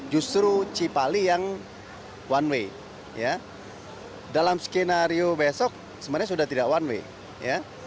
justru cipali yang one way dalam skenario besok sebenarnya sudah tidak one way ya